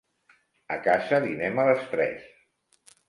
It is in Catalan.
A casa dinem a les tres.